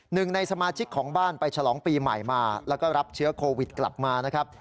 หนึ่งในสมาชิกของบ้านไปฉลองปีใหม่มาแล้วก็รับเชื้อโควิดกลับมานะครับ